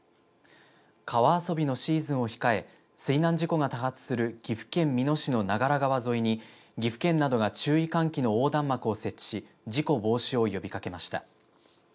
川遊びのシーズンを控え水難事故が多発する岐阜県美濃市の長良川沿いに岐阜県などが注意喚起の横断幕を設置し事故防止を呼びかけました。